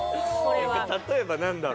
例えば何だろう？